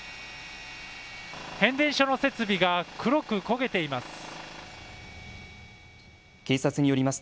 変電所の設備が黒く焦げています。